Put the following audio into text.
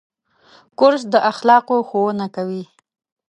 کورس د اخلاقو ښوونه کوي.